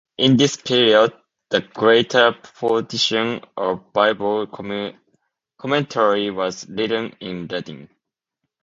In this period, the greater portion of Bible commentary was written in Latin.